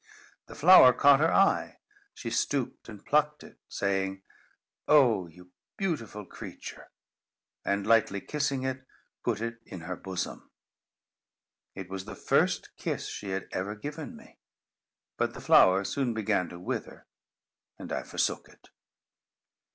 The flower caught her eye. She stooped and plucked it, saying, "Oh, you beautiful creature!" and, lightly kissing it, put it in her bosom. It was the first kiss she had ever given me. But the flower soon began to wither, and I forsook it.